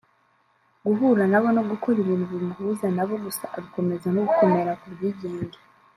guhura nabo no gukora ibintu bimuhuza nabo gusa agakomeza no gukomera ku bwigenge